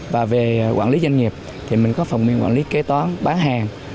và về quản lý doanh nghiệp thì mình có phòng quản lý kế toán bán hàng